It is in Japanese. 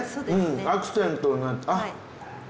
アクセントになって。